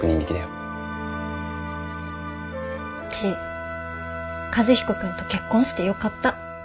うち和彦君と結婚してよかった。